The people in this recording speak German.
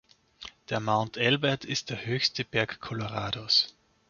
Der Mount Elbert ist der höchste Berg Colorados.